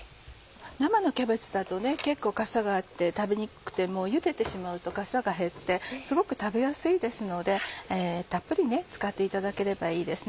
生のキャベツだと結構かさがあって食べにくくてもゆでてしまうとかさが減ってすごく食べやすいですのでたっぷり使っていただければいいです。